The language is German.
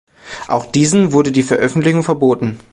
Auch diesen wurde die Veröffentlichung verboten.